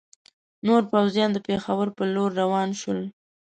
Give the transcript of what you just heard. نور پوځیان د پېښور پر لور روان شول.